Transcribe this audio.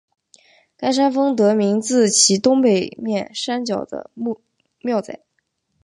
该山峰得名自其东北面山脚的庙仔。